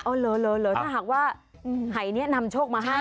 เหรอถ้าหากว่าหายนี้นำโชคมาให้